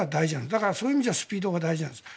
だから、そういう意味ではスピードが大事なんです。